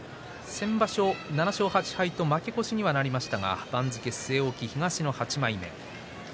先場所、７勝８敗と負け越しにはなりましたが番付は据え置き、東の８枚目です。